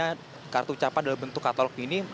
karena kartu ucapan dalam bentuk katalog ini